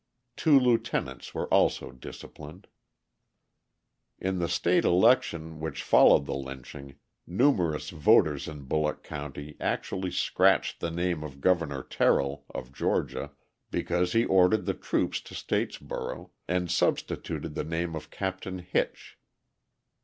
Two lieutenants were also disciplined. In the state election which followed the lynching, numerous voters in Bulloch County actually scratched the name of Governor Terrell, of Georgia, because he ordered the troops to Statesboro, and substituted the name of Captain Hitch.